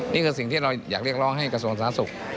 นี่คือสิ่งที่เราอยากเรียกร้องให้กระทรวงสาธารณสุข